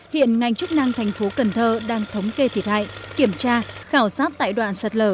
hiện ngành chức năng thành phố cần thơ đang thống kê thiệt hại kiểm tra khảo sát tại đoạn sạt lở